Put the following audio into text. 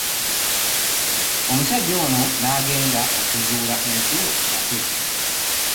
Omusajja ono n'agenda okuzuula ensulo nate.